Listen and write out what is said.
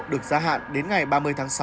được gia hạn đến ngày ba mươi tháng sáu